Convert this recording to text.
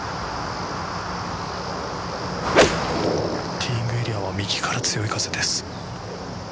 ティーイングエリアは右から強い風です。